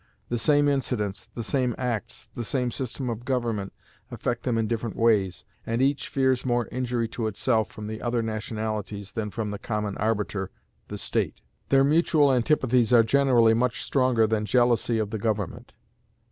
The same incidents, the same acts, the same system of government, affect them in different ways, and each fears more injury to itself from the other nationalities than from the common arbiter, the state. Their mutual antipathies are generally much stronger than jealousy of the government.